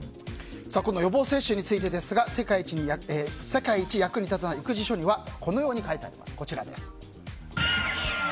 予防接種について「世界一役に立たない育児書」にこのように書いてあります。